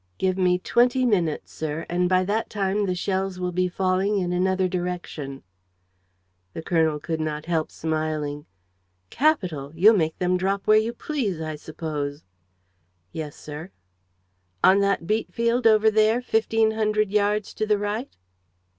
"Give me twenty minutes, sir, and by that time the shells will be falling in another direction." The colonel could not help smiling: "Capital! You'll make them drop where you please, I suppose?" "Yes, sir." "On that beet field over there, fifteen hundred yards to the right?"